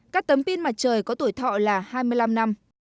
các tấm pin mặt trời có tuổi thọ là hai mươi năm năm